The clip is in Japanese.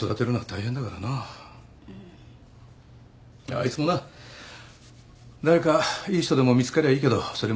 あいつもな誰かいい人でも見つかりゃいいけどそれも難しいだろうしな。